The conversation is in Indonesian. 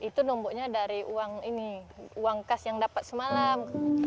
itu numbuknya dari uang ini uang kas yang dapat semalam